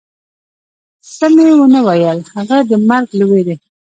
څه مې و نه ویل، هغه د مرګ له وېرې.